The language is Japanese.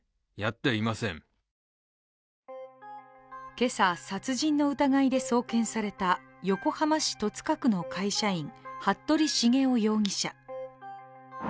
今朝、殺人の疑いで送検された横浜市戸塚区の会社員、服部繁雄容疑者。